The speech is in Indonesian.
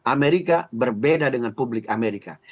amerika berbeda dengan publik amerika